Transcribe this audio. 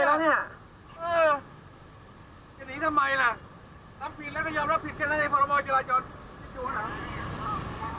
พรบจิลาจน